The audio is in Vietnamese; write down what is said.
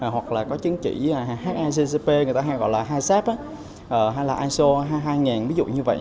hoặc là có chứng chỉ hiccp người ta hay gọi là hicap hay là iso hai nghìn ví dụ như vậy